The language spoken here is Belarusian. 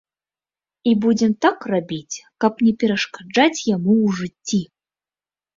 І будзем так рабіць, каб не перашкаджаць яму ў жыцці.